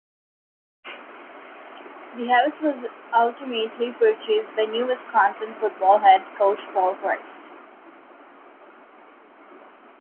The house was ultimately purchased by new Wisconsin football head coach Paul Chryst.